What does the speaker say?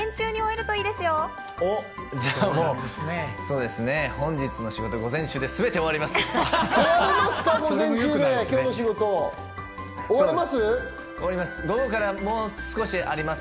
じゃあ本日の仕事午前中ですべて終わります。